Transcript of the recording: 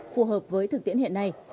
phù hợp với thực tiễn hiện nay